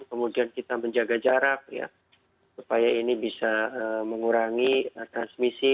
kemudian kita menjaga jarak ya supaya ini bisa mengurangi transmisi